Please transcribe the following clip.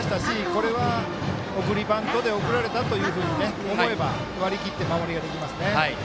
これは送りバントで送られたと思えば割り切って守りができますね。